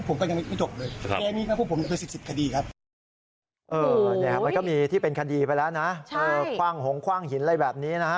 โอ้โฮค่ะมันก็มีที่เป็นคดีไปแล้วนะคว้างหงคว้างหินอะไรแบบนี้นะ